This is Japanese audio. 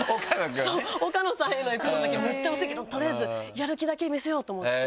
岡野さんへのエピソードだけめっちゃ薄いけど取りあえずやる気だけ見せようと思って。